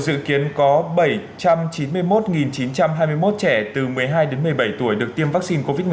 dự kiến có bảy trăm chín mươi một chín trăm hai mươi một trẻ từ một mươi hai đến một mươi bảy tuổi được tiêm vaccine covid một mươi chín